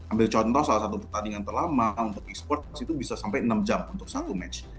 ambil contoh salah satu pertandingan terlama untuk e sports itu bisa sampai enam jam untuk satu match